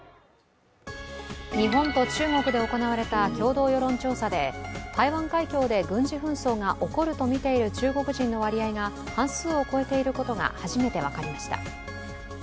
日本と中国で行われた共同世論調査で台湾海峡で軍事紛争が起こるとみている中国人の割合が半数を超えていることが初めて分かりました。